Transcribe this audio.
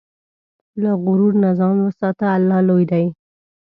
له غرور نه ځان وساته، الله لوی دی.